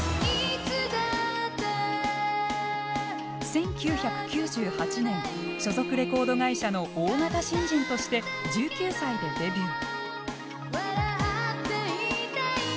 １９９８年所属レコード会社の大型新人として１９歳でデビュー。